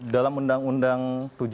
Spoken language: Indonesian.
dalam undang undang tujuh dua ribu tujuh belas